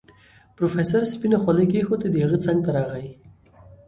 پروفيسر سپينه خولۍ کېښوده د هغه څنګ ته راغی.